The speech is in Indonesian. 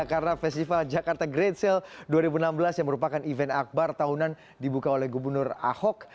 karena festival jakarta great sale dua ribu enam belas yang merupakan event akbar tahunan dibuka oleh gubernur ahok